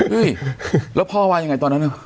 เฮ้ยแล้วพ่อว่ายังไงตอนนั้นน่ะ